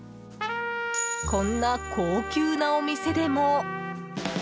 こんな高級なお店でも。